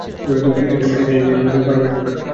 এখন এটা নিয়ে কেউ বাড়াবাড়ি করবে না।